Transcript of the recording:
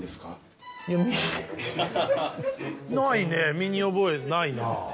身に覚えないな。